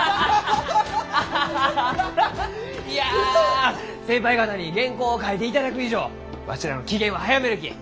いや先輩方に原稿を書いていただく以上わしらの期限は早めるき。